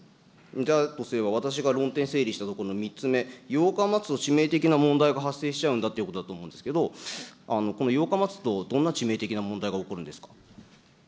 だとすれば、私が論点整理した、この３つ目、８日待つと致命的な問題が発生しちゃうんだということだと思うんですけれども、この８日待つと、どんな致命的な問題が起こるんですか。